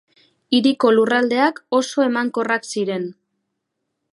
Hiriko lurraldeak oso emankorrak ziren.